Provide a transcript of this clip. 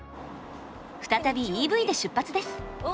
再びＥＶで出発です。